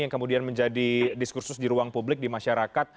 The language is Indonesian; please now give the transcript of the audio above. yang kemudian menjadi diskursus di ruang publik di masyarakat